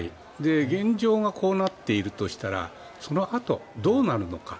現状がこうなってるとしたらそのあとどうなるのか。